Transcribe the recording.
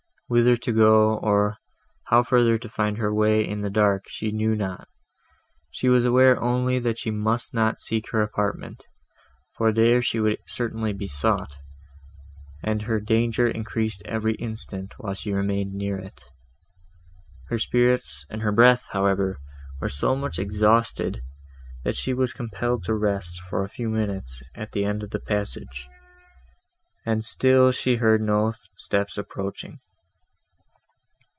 Whither to go, or how further to find her way in the dark, she knew not; she was aware only that she must not seek her apartment, for there she would certainly be sought, and her danger increased every instant, while she remained near it. Her spirits and her breath, however, were so much exhausted, that she was compelled to rest, for a few minutes, at the end of the passage, and still she heard no steps approaching.